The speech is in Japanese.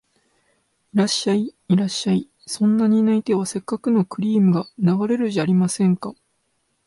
いらっしゃい、いらっしゃい、そんなに泣いては折角のクリームが流れるじゃありませんか